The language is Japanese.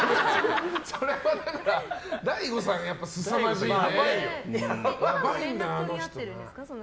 それは、だから大悟さんがすさまじいね。